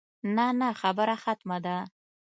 نه نه خبره ختمه ده.